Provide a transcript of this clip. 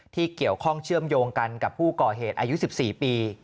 ที่เกี่ยวข้องเชื่อมโยงกันกับผู้ก่อเหตุอายุ๑๔ปี